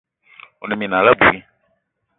One minal abui.